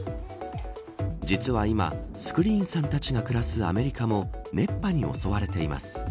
実は今、スクリーンさんたちが暮らすアメリカも熱波に襲われています。